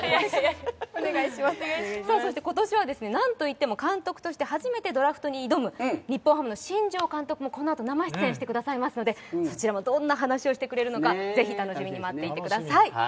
そして今年は、なんといっても、監督として初めて挑む日本ハムの新庄監督もこのあと生出演してくださいますのでそちらもどんな話をしてくれるのか、ぜひ、楽しみに待っていてください